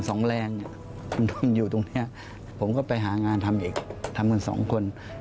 สองแรงอยู่ตรงเนี้ยผมก็ไปหางานทำอีกทำกันสองคน